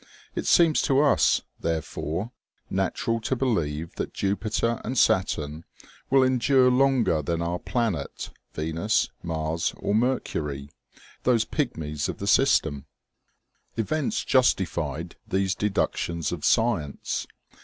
It seems to us, therefore, natural to believe that Jupiter and Saturn will endure longer than our planet, Venus, Mars or Mercury, those pigmies of the system ! OMEGA. 225 Events justified these deductions of science.